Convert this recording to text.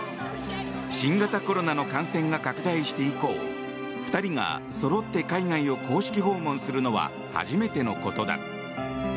新型コロナの感染が拡大して以降２人がそろって海外を公式訪問するのは初めてのことだ。